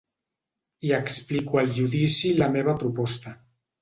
Hi explico el judici i la meva proposta.